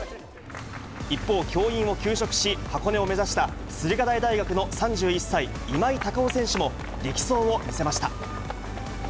一方、教員を休職し、箱根を目指した駿河台大学の３１歳、今井隆生選手も、力走を見せました。